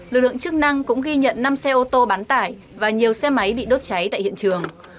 lực lượng chức năng cũng ghi nhận năm xe ô tô bán tải và nhiều xe máy bị đốt cháy tại hiện trường